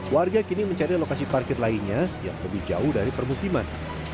warga kini mencari lokasi parkir lainnya yang lebih jauh dari permukiman